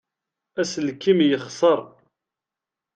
Aselkim yexseṛ.